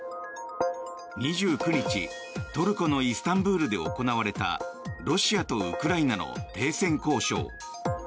２９日、トルコのイスタンブールで行われたロシアとウクライナの停戦交渉。